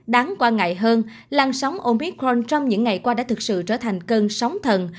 đáng quan ngại hơn làn sóng omicron trong những ngày qua đã thực sự trở thành cơn sóng thần